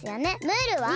ムールは？